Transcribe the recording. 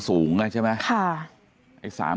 อีก๑๐คนเช่นกับที่๙๐คน